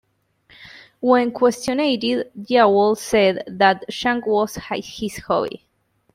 When questioned, Diawol said that junk was his hobby.